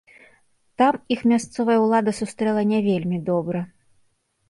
Там іх мясцовая ўлада сустрэла не вельмі добра.